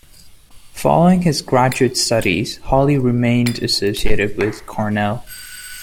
Following his graduate studies Holley remained associated with Cornell.